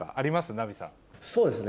そうですね